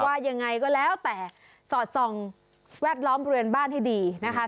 ว่ายังไงก็แล้วแต่สอดส่องแวดล้อมบริเวณบ้านให้ดีนะคะ